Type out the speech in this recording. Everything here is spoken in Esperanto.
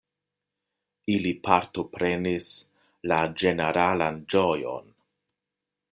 Ili partoprenis la ĝeneralan ĝojon.